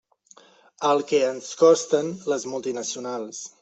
El que ens costen les multinacionals.